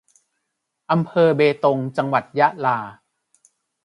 อำเภอเบตง จังหวัดยะลา